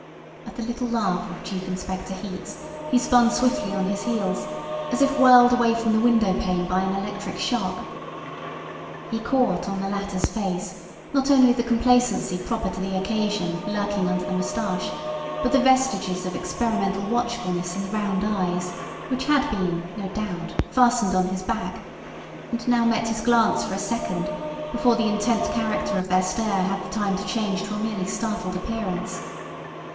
At the little laugh of Chief Inspector Heat's he spun swiftly on his heels, as if whirled away from the window pane by an electric shock. He caught on the latter's face not only the complacency proper to the occasion lurking under the moustache, but the vestiges of experimental watchfulness in the round eyes, which had been, no doubt, fastened on his back, and now met his glance for a second before the intent character of their stare had the time to change to a merely startled appearance.